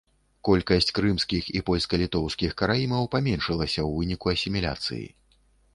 Колькасць крымскіх і польска-літоўскіх караімаў паменшылася ў выніку асіміляцыі.